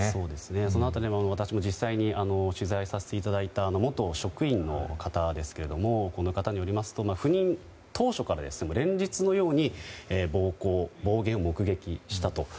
その辺り、私も実際に取材させていただいた元職員の方ですがこの方によりますと赴任当初から、連日のように暴行や暴言を目撃したと。